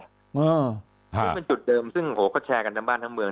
ซึ่งเป็นจุดเดิมซึ่งโหก็แชร์กันทั้งบ้านทั้งเมือง